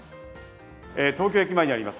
東京駅前にあります